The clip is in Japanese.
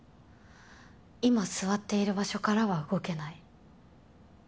今座っている場所からは動けない。